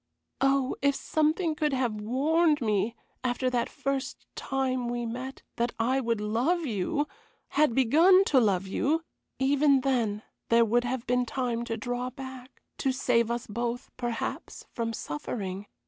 Oh, if something could have warned me, after that first time we met, that I would love you had begun to love you even then there would have been time to draw back, to save us both, perhaps, from suffering.